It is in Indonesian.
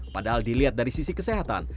padahal dilihat dari sisi kesehatan